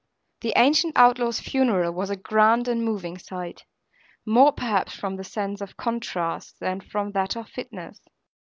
The ancient outlaw's funeral was a grand and moving sight; more perhaps from the sense of contrast than from that of fitness.